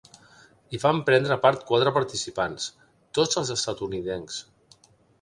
Hi van prendre part quatre participants, tots els estatunidencs.